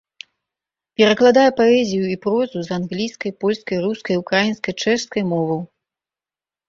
Перакладае паэзію і прозу з англійскай, польскай, рускай, украінскай, чэшскай моваў.